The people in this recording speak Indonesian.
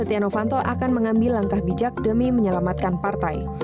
setia novanto akan mengambil langkah bijak demi menyelamatkan partai